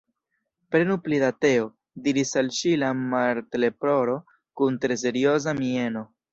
"Prenu pli da teo," diris al ŝi la Martleporo, kun tre serioza mieno.